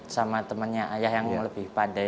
sama temennya ayah yang lebih pandai